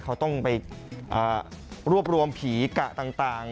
เขาต้องไปรวบรวมผีกะต่าง